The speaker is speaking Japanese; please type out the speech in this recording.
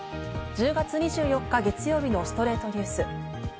１０月２４日、月曜日の『ストレイトニュース』。